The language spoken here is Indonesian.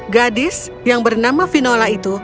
gadis yang bernama vinola itu